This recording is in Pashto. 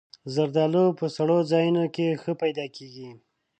زردالو په سړو ځایونو کې ښه پیدا کېږي.